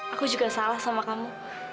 aku juga salah sama kamu